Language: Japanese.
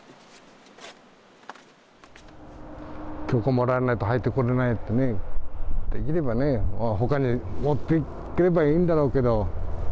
許可もらわないと入ってこられない、できればね、ほかに持っていければいいんだけど。